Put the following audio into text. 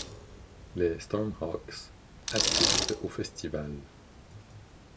Les Storm Hawks assistent au festival.